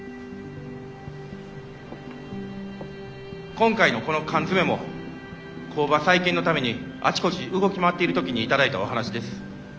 今回のこの缶詰も工場再建のためにあちこち動き回っている時に頂いたお話です。